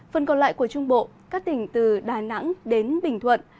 phần còn lại của trung bộ các tỉnh từ đà nẵng đến bình thuận